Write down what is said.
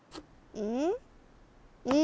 うん？